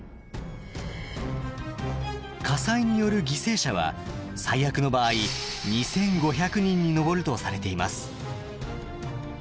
火災による犠牲者は最悪の場合２，５００人に上るとされています。